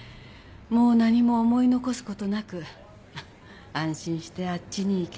もう何も思い残すことなく安心してあっちに行ける。